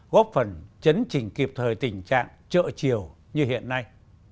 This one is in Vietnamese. góp phần chấn trình kịp thời tình trạng trợ chiều như hiện nay